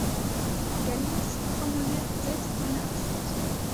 Gellius formuliert selbst seine Absicht.